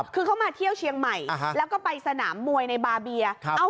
คือเขามาเที่ยวเชียงใหม่แล้วก็ไปสนามมวยในบาเบีย